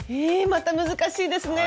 また難しいですね。